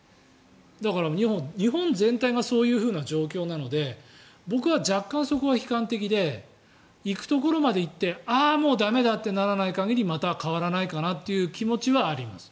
だから、日本全体がそういうふうな状況なので僕は若干、そこは悲観的で行くところまで行ってああ、もう駄目だってならない限りまた変わらないかなという気持ちはあります。